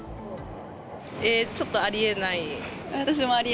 えー、ちょっとありえない。